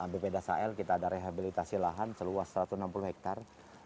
bp dasar l kita ada rehabilitasi lahan seluas satu ratus enam puluh hektar